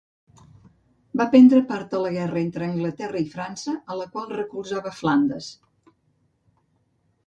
Va prendre part a la guerra entre Anglaterra i França, a la qual recolzava Flandes.